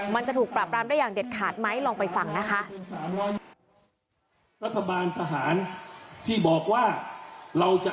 มันจะถูกปรับรามได้อย่างเด็ดขาดไหมลองไปฟังนะคะ